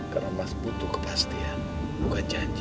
karena mas butuh kepastian bukan janji